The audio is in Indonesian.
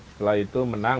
setelah itu menang